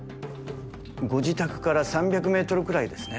ご自宅から３００ｍくらいですね